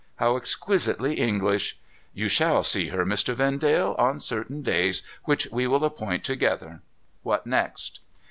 How exquisitely English ! You shall see her, Mr. Vendale, on certain days, which we will appoint together. What next